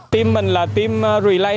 team mình là team relay